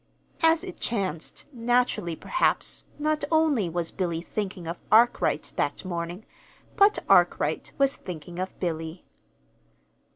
As it chanced, naturally, perhaps, not only was Billy thinking of Arkwright that morning, but Arkwright was thinking of Billy.